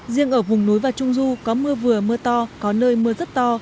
riêng ở vùng núi và trung du có mưa vừa mưa to có nơi mưa rất to